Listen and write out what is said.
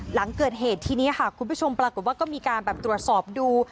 หลังเกิดเหตุทีนี้ค่ะคุณผู้ชมปรากฏว่าก็มีการแบบตรวจสอบดู